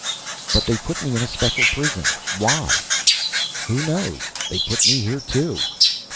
"But they put me in a special prison. Why?" "Who knows? They put me here, too."